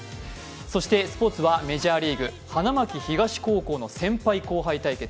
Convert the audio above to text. そしてスポーツはメジャーリーグ、花巻東高校の先輩・後輩対決。